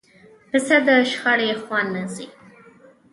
پسه د شخړې خوا نه ځي.